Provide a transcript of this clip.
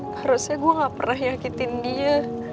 harusnya gue gak pernah yakin dia